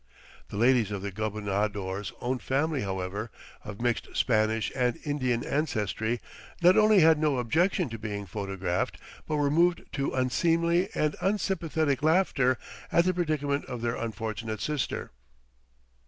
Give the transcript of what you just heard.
The ladies of the gobernador's own family, however, of mixed Spanish and Indian ancestry, not only had no objection to being photographed, but were moved to unseemly and unsympathetic laughter at the predicament of their unfortunate sister.